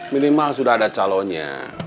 minimal sudah ada calonnya